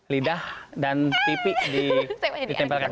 lidah dan pipi ditempelkan